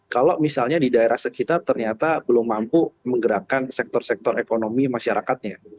kalau misalnya di daerah sekitar ternyata belum mampu menggerakkan sektor sektor ekonomi masyarakatnya